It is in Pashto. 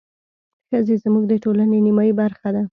ښځې زموږ د ټولنې نيمايي برخه ده.